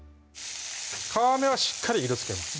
皮目はしっかり色つけます